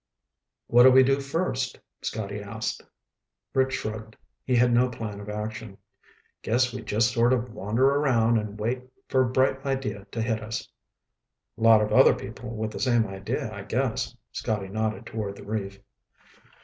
"What do we do first?" Scotty asked. Rick shrugged. He had no plan of action. "Guess we just sort of wander around and wait for a bright idea to hit us." "Lot of other people with the same idea, I guess." Scotty nodded toward the reef.